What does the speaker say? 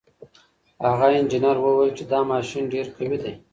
هغه انجنیر وویل چې دا ماشین ډېر قوي دی.